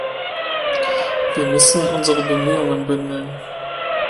Wir müssen unsere Bemühungen bündeln.